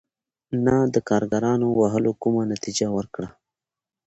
نه د کارګرانو وهلو کومه نتیجه ورکړه.